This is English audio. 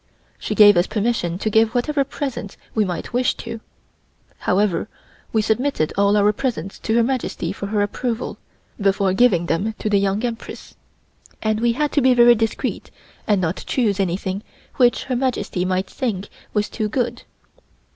She gave us permission to give whatever presents we might wish to. However, we submitted all our presents to Her Majesty for her approval, before giving them to the Young Empress, and we had to be very discreet and not choose anything which Her Majesty might think was too good.